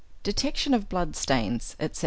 XV. DETECTION OF BLOOD STAINS, ETC.